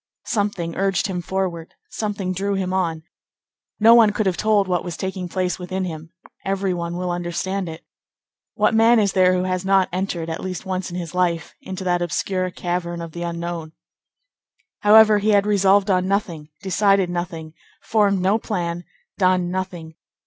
Something urged him forward; something drew him on. No one could have told what was taking place within him; every one will understand it. What man is there who has not entered, at least once in his life, into that obscure cavern of the unknown? However, he had resolved on nothing, decided nothing, formed no plan, done nothing.